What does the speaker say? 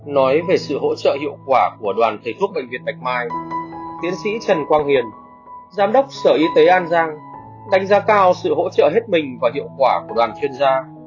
nói về sự hỗ trợ hiệu quả của đoàn thể thuốc bệnh viện bạch mai tiến sĩ trần quang hiền giám đốc sở y tế an giang đánh giá cao sự hỗ trợ hết mình và hiệu quả của đoàn chuyên gia